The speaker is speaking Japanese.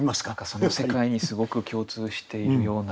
その世界にすごく共通しているような。